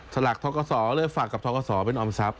ถลักท้อกสแล้วฝากกับท้อกสเป็นออมทรัพย์